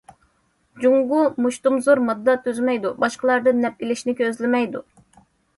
جۇڭگو مۇشتۇمزور ماددا تۈزمەيدۇ، باشقىلاردىن نەپ ئېلىشنى كۆزلىمەيدۇ.